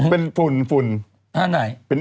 เป็นฝุ่น